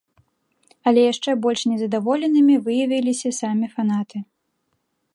Але яшчэ больш незадаволенымі выявіліся самі фанаты.